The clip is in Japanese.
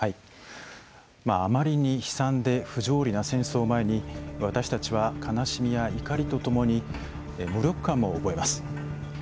あまりに悲惨で不条理な戦争を前に私たちは悲しみや怒りとともに無力感も覚えます。